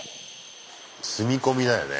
積み込みだよね。